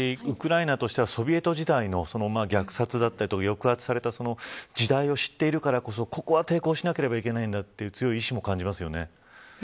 ウクライナとしてはソビエト時代の虐殺だったり抑圧された時代を知っているからこそここは抵抗しなければいけないという強い意志も感じますよね。